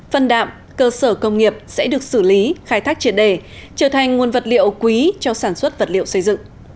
phân đạm cơ sở công nghiệp sẽ được xử lý khai thác triệt đề trở thành nguồn vật liệu quý cho sản xuất vật liệu xây dựng